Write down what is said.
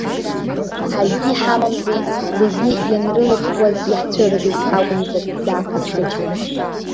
Ҳаргьы иҳамамзи, зегьы ианрылырхуаз иаҳцәыргеит акәымзар, даақәыԥсычҳаит.